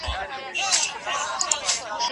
څوک د حضوري ټولګي د تمرینونو اصلاح کوي؟